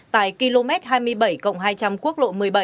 tại km hai mươi bảy cộng hai trăm linh quốc lộ một mươi bảy